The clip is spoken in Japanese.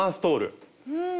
うん。